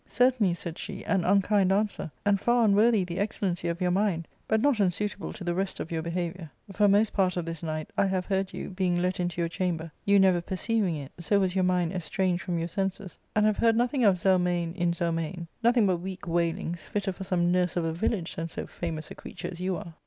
" Certainly," said she, " an unkind answer, and far unworthy the excellency of your mind, but not unsuitable to the rest of your behaviour. For most part of this night I have heard you, being let into your chamber, you never perceiving it, so was your mind estranged from your senses, and have heard nothing of Zelmane in Zelmane, nothing but weak wailings, fitter for some nurse of a village than so famous a creature as you are."